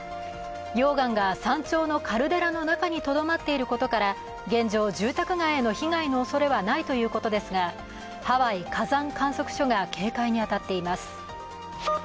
溶岩が山頂のカルデラの中にとどまっていることから現状、住宅街への被害のおそれはないということですが、ハワイ火山観測所が警戒に当たっています。